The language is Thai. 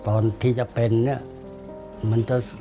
ตอนที่จะเป็นเนี่ยมันจะรู้สึกเจ็บมาออกหน่อย